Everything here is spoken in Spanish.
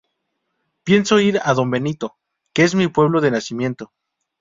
Pienso ir a don Benito, que es mi pueblo de nacimiento.